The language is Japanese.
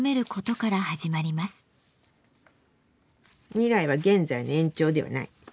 未来は現在の延長ではない。